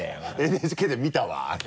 ＮＨＫで見たわあれ。